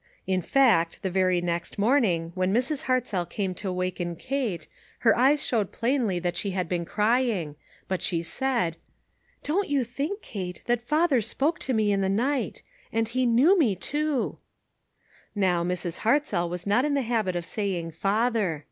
In fact, the very next morning, when Mrs. Hartzell came to waken Kate, her eyes showed plainly that she had been crying ; but she said : 432 ONE COMMONPLACE DAY. " Don't you think, Kate, that father spoke to me in the night ! And he knew me, too.1' Now, Mrs. Hartzell was not in the habit of saying "father."